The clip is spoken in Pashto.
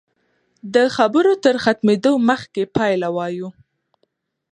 د خبرو تر ختمېدو مخکې پایله وایو.